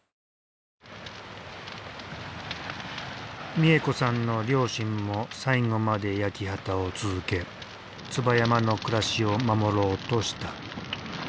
美恵子さんの両親も最後まで焼き畑を続け椿山の暮らしを守ろうとした。